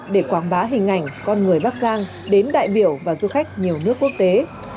để quảng bá hình ảnh con người bắc giang đến đại biểu và du khách nhiều nước quốc tế